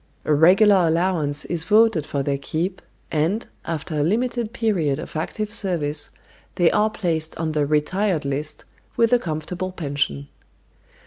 A regular allowance is voted for their keep, and, after a limited period of active service, they are placed on the "retired list," with a comfortable pension.